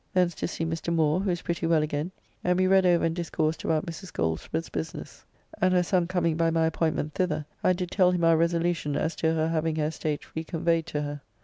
Thence to see Mr. Moore, who is pretty well again, and we read over and discoursed about Mrs. Goldsborough's business, and her son coming by my appointment thither, I did tell him our resolution as to her having her estate reconveyed to her.